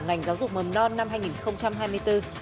ngành giáo dục mầm non năm hai nghìn hai mươi bốn